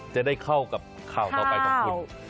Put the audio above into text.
จะได้เข้ากับข่าวต่อไปของคุณ